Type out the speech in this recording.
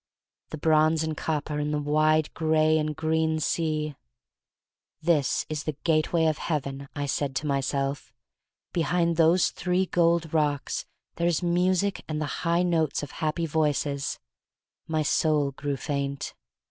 The bronze and copper in the wide gray and. green sea! "This is the gateway of Heaven," I said to myself. "Behind those three gold rocks there is music and the high notes of happy voices." My soul grew faint.